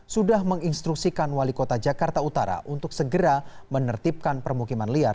sudah menginstruksikan wali kota jakarta utara untuk segera menertibkan permukiman liar